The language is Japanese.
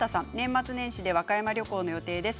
年末年始、和歌山、旅行の予定です。